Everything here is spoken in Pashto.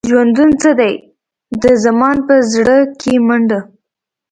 ژوندون څه دی؟ د زمان په زړه کې منډه.